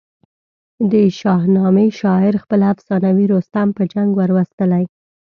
د شاهنامې شاعر خپل افسانوي رستم په جنګ وروستلی.